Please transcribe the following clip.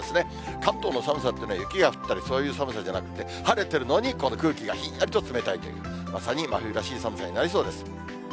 関東の寒さってね、雪が降ったり、そういう寒さじゃなくて、晴れてるのに空気がひんやりと冷たいという、まさに真冬らしい寒さになりそうです。